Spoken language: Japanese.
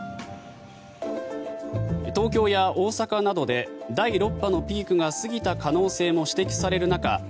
東京や大阪などで第６波のピークが過ぎた可能性も指摘される中